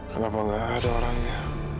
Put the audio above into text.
kenapa nggak ada orangnya